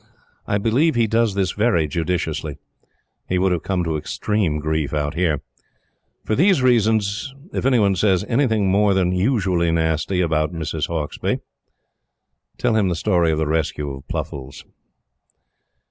I believe he does this very judiciously. He would have come to extreme grief out here. For these reasons if any one says anything more than usually nasty about Mrs. Hauksbee, tell him the story of the Rescue of Pluffles.